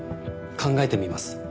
考えてみます。